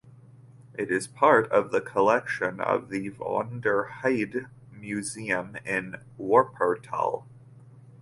It is part of the collection of the Von der Heydt Museum in Wuppertal.